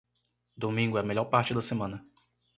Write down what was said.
Domingo é a melhor parte da semana.